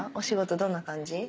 どんな感じ？